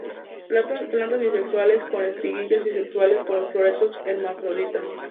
Plantas bisexuales, con espiguillas bisexuales; con los floretes hermafroditas.